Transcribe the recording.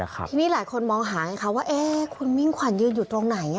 ทีนี้หลายคนมองหาไงคะว่าคุณมิ่งขวัญยืนอยู่ตรงไหน